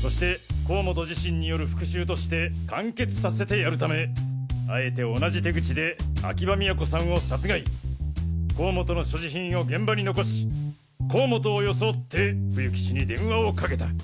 そして甲本自身による復讐として完結させてやるためあえて同じ手口で秋葉都さんを殺害甲本の所持品を現場に残し甲本を装って冬木氏に電話をかけた。